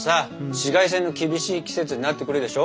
紫外線の厳しい季節になってくるでしょ。